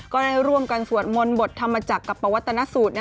ก็ได้ร่วมกันสวดมนต์บทธรรมจักรกับปวัตนสูตร